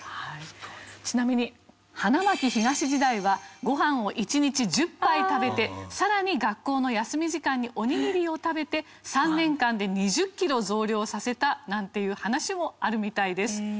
ちなみに花巻東時代はご飯を１日１０杯食べてさらに学校の休み時間におにぎりを食べて３年間で２０キロ増量させたなんていう話もあるみたいです。